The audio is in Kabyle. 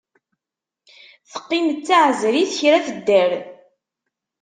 Teqqim d taεeẓrit kra tedder.